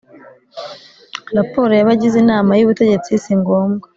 Raporo y’abagize Inama y’Ubutegetsi si ngombwa